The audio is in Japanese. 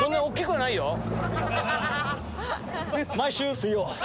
毎週水曜。